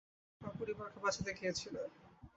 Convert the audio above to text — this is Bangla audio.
তোমার পরিবারকে বাঁচাতে গিয়েছিলে।